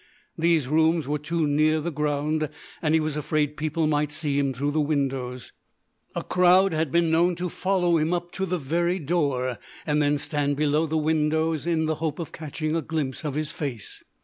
These rooms were too near the ground, and he was afraid people might see him through the windows. A crowd had been known to follow him up to the very door, and then stand below the windows in the hope of catching a glimpse of his face."